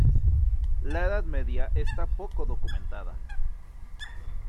La Edad Media está poco documentada.